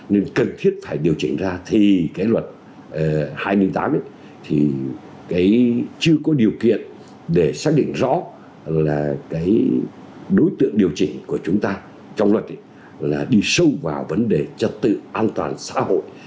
nên cần thiết phải điều chỉnh ra thì cái luật hai nghìn tám thì cái chưa có điều kiện để xác định rõ là cái đối tượng điều chỉnh của chúng ta trong luật là đi sâu vào vấn đề trật tự an toàn xã hội